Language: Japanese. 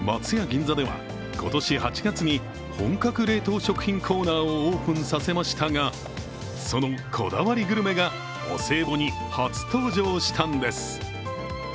銀座では、今年８月に本格冷凍食品コーナーをオープンさせましたが、そのこだわりグルメがお歳暮に初登場したんです。